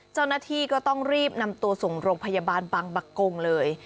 เจ้าหน้าที่ก็ต้องรีบนำตัวส่งโรงพยาบาลบางบักกงเลย